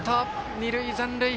二塁残塁。